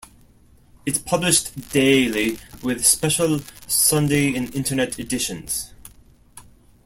It published daily with special Sunday and Internet editions.